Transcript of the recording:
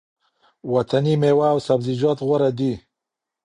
وطني مېوه او سبزیجات غوره دي.